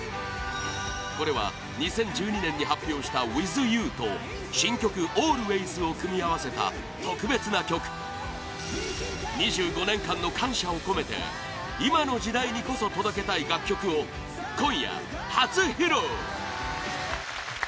これは２０１２年に発表した「ｗｉｔｈｙｏｕ」と新曲「ＡＬＷＡＹＳ」を組み合わせた特別な曲２５年間の感謝を込めて今の時代にこそ届けたい楽曲を今夜、初披露！